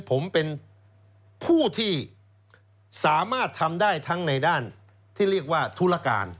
ผมเป็นผู้ที่สามารถทำได้ทั้งในด้านที่เรียกว่าธุรการ